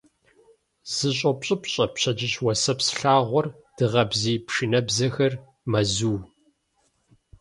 ЗэщӀопщӀыпщӀэ пщэдджыжь уасэпс лъагъуэр, дыгъэ бзий пшынэбзэхэр мэзу.